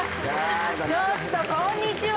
ちょっとこんにちは